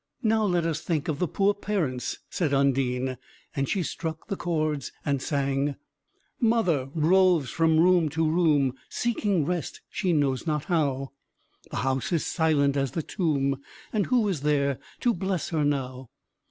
"Now let us think of the poor parents," said Undine and she struck the chords and sang: I Mother roves from room to room Seeking rest, she knows not how, The house is silent as the tomb, And who is there to bless her now?